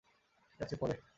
ঠিক আছে, পরে।